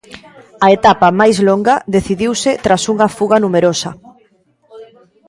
A etapa máis longa decidiuse tras unha fuga numerosa.